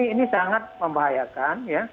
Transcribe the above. ini sangat membahayakan